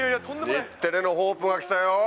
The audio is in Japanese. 日テレのホープが来たよ。